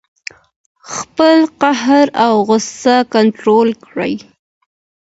خپل قهر او غوسه کنټرول کړئ.